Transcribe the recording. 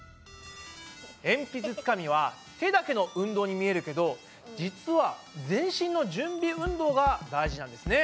えんぴつつかみは手だけの運動に見えるけど実は全身の準備運動が大事なんですね。